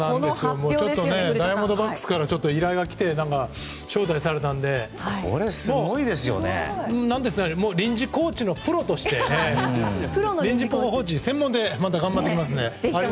ダイヤモンドバックスから依頼が来て招待されたので臨時コーチのプロとして臨時コーチ専門としてまた頑張っていきますね。